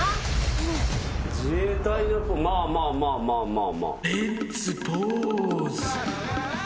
自衛隊のまあまあまあまあまあ。